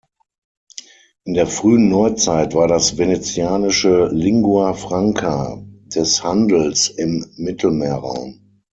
In der frühen Neuzeit war das Venezianische Lingua franca des Handels im Mittelmeerraum.